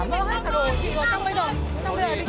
đồ chị vỡ xong bây giờ